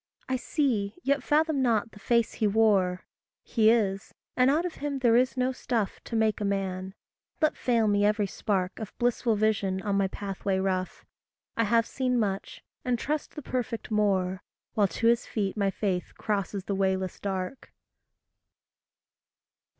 I see, yet fathom not the face he wore. He is and out of him there is no stuff To make a man. Let fail me every spark Of blissful vision on my pathway rough, I have seen much, and trust the perfect more, While to his feet my faith crosses the wayless dark.